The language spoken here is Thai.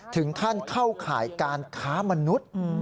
ถึงขั้นเข้าข่ายการค้ามนุษย์